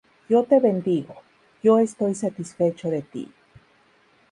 Yo te bendigo, yo estoy satisfecho de ti.